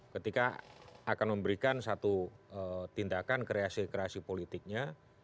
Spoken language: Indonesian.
ketika akan memberikan satu tindakan kreasi kreasi politiknya